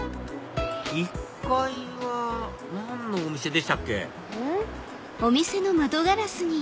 １階は何のお店でしたっけうん？